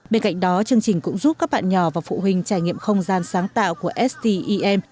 bên cạnh đó chương trình cũng giúp các bạn nhỏ và phụ huynh trải nghiệm không gian sáng tạo của s t e m